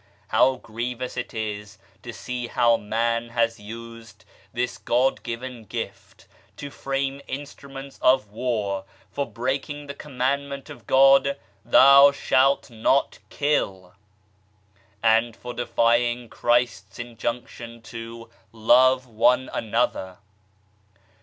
How grievous it is to see how Man has used this God given gift to frame instruments of war, for breaking the Commandment of God " Thou shalt not kill/' and for defying Christ's injunction to " Love one another."